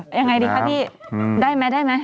อย่างไรดีคะพี่ได้ไหม